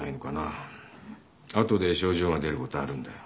後で症状が出ることあるんだよ。